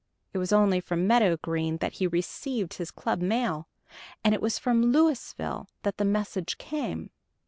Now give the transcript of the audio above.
It was only from Meadow Green that he received his club mail. And it was from Louisville that the message came.